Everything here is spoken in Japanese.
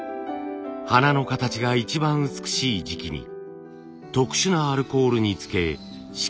花の形が一番美しい時期に特殊なアルコールにつけ色素を抜きます。